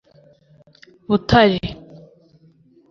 Butare